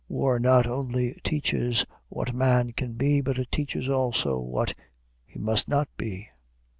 War not only teaches what man can be, but it teaches also what he must not be.